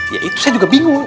ya itu saya juga bingung